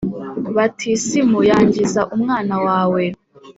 batisimu yangize umwana wawe